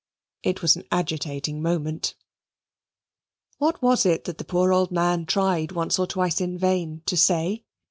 It was an agitating moment. What was it that poor old man tried once or twice in vain to say?